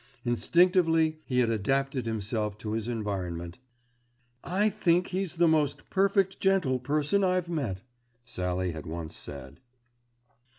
Instinctively he had adapted himself to his environment. "I think he's the most perfect gentle person I've met," Sallie had once said.